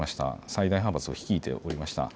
最大派閥を率いておりました。